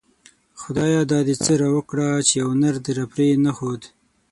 خدايه دا دی څه راوکړه ;چی يو نر دی راپری نه ښود